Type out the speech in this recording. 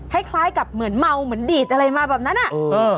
คล้ายคล้ายกับเหมือนเมาเหมือนดีดอะไรมาแบบนั้นอ่ะเออ